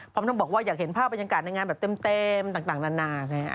ต้องบอกว่าอยากเห็นภาพบรรยากาศในงานแบบเต็มต่างนานา